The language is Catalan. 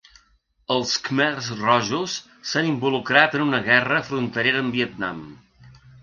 Els khmers rojos s'han involucrat en una guerra fronterera amb Vietnam.